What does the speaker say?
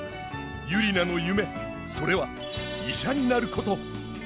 ユリナの夢それは医者になること。